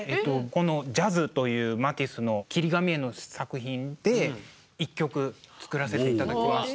この「ジャズ」というマティスの切り紙絵の作品で一曲作らせて頂きました。